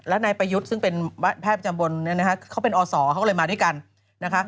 และนายประยุทธ์ซึ่งเป็นแพทย์จำบนเนี่ยนะคะเขาเป็นอศเขาก็เลยมาด้วยกันนะคะ